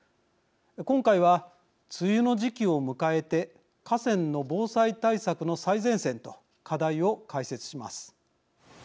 今回は梅雨の時期を迎えて河川の防災対策の最前線と課題を解説します。